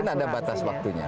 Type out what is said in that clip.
mungkin ada batas waktunya